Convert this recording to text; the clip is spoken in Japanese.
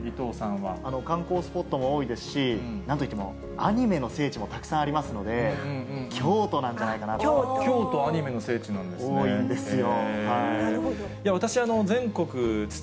観光スポットも多いですし、なんといってもアニメの聖地もたくさんありますので、京都なんか京都、アニメの聖地なんです多いんですよ。